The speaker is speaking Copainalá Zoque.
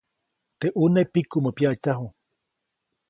Teʼ ʼune pikumä pyaʼtyaju.